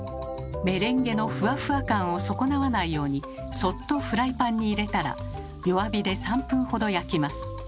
メレンゲのふわふわ感を損なわないようにそっとフライパンに入れたら弱火で３分ほど焼きます。